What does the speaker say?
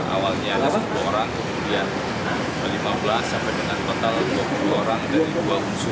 awalnya sepuluh orang kemudian lima belas sampai dengan total dua puluh orang dari dua puluh sembilan